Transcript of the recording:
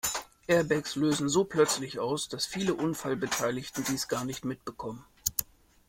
Airbags lösen so plötzlich aus, dass viele Unfallbeteiligte dies gar nicht mitbekommen.